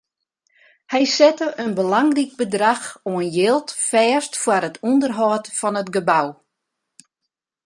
Hy sette in belangryk bedrach oan jild fêst foar it ûnderhâld fan it gebou.